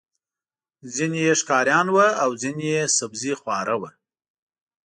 ځینې یې ښکاریان وو او ځینې یې سبزيخواره وو.